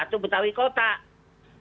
kalau betawi kota ada dua